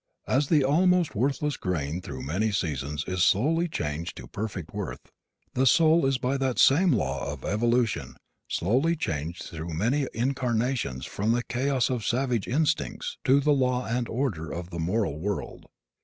As the almost worthless grain through many seasons is slowly changed to perfect worth, the soul is by that same law of evolution slowly changed through many incarnations from the chaos of savage instincts to the law and order of the moral world.